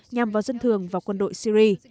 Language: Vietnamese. nhằm vào dân thường và quân đội syria